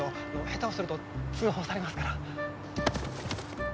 下手をすると通報されますから。